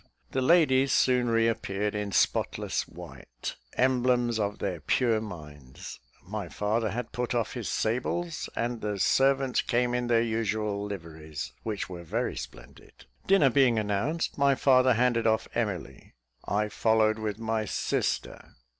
The ladies soon reappeared in spotless white; emblems of their pure minds. My father had put off his sables, and the servants came in their usual liveries, which were very splendid. Dinner being announced, my father handed off Emily; I followed with my sister.